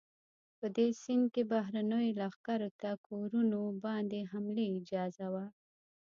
په دې سند کې بهرنیو لښکرو ته کورونو باندې د حملې اجازه وه.